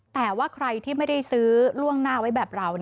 แต่ว่าใครที่ไม่ได้ซื้อล่วงหน้าไว้แบบเรา